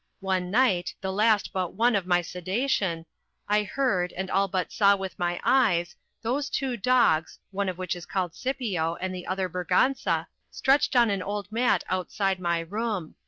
One night, the last but one of my sudation, I heard, and all but saw with my eyes those two dogs, one of which is called Scipio, the other Berganza, stretched on an old mat outside my room.